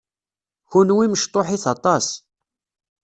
Kenwi mecṭuḥit aṭas.